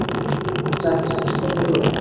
যাক, চাকরি তো হলো।